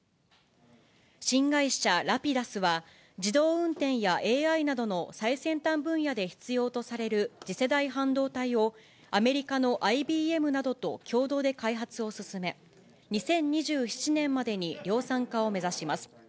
新会社、ラピダスは、自動運転やＡＩなどの最先端分野で必要とされる次世代半導体を、アメリカのＩＢＭなどと共同で開発を進め、２０２７年までに量産化を目指します。